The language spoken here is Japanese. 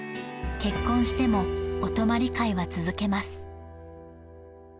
結婚してもお泊まり会は続けます